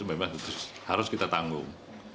memang harus kita tanggung